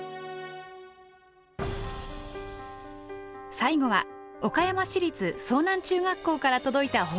最後は岡山市立操南中学校から届いた報告です。